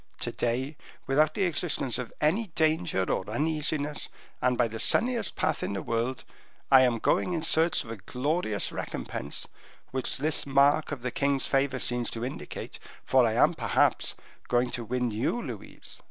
To day, without the existence of any danger or uneasiness, and by the sunniest path in the world, I am going in search of a glorious recompense, which this mark of the king's favor seems to indicate, for I am, perhaps, going to win you, Louise.